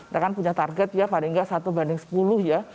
kita kan punya target ya paling nggak satu banding sepuluh ya